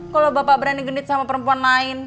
kalau bapak berani genit sama perempuan lain